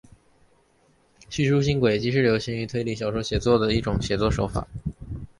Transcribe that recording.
叙述性诡计是流行于推理小说写作的一种写作手法。